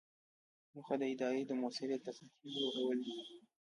موخه د ادارې د مؤثریت د سطحې لوړول دي.